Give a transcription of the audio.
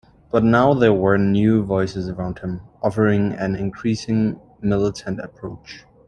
But now there were new voices around him, offering an increasing militant approach.